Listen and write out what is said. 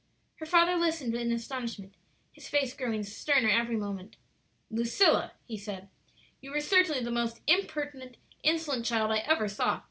Her father listened in astonishment, his face growing sterner every moment. "Lucilla," he said, "you are certainly the most impertinent, insolent child I ever saw!